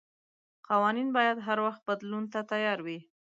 قوانين بايد هر وخت بدلون ته تيار وي.